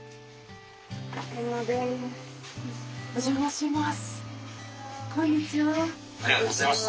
お邪魔します。